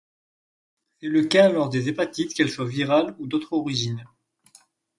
C'est le cas lors des hépatites, qu'elles soient virales ou d'autres origines.